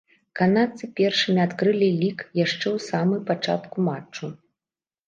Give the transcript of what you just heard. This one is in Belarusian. Канадцы першымі адкрылі лік яшчэ ў самы пачатку матчу.